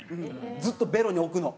ずっとベロに置くの。